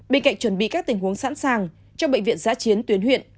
bên cạnh chuẩn bị các tình huống sẵn sàng cho bệnh viện giã chiến tuyến huyện